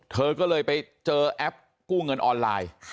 เธอก็เลยไปเจอแอปกู้เงินออนไลน์